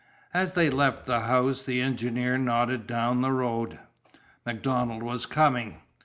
As they left the house the engineer nodded down the road. MacDonald was coming.